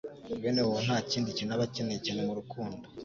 bene uwo nta kindi kintu abakeneye cyane mu rukundo